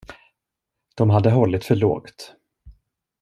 De hade hållit för lågt.